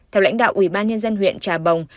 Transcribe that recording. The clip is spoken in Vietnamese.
theo lãnh đạo ubnd huyện trà bồng